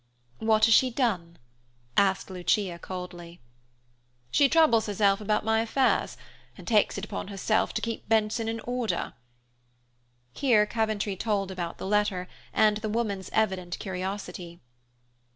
"What has she done?" asked Lucia coldly. "She troubles herself about my affairs and takes it upon herself to keep Benson in order." Here Coventry told about the letter and the woman's evident curiosity.